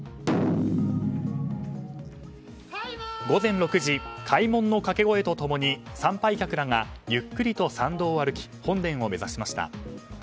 午前６時、開門の掛け声と共に参拝客らがゆっくりと参道を歩き本殿を目指しました。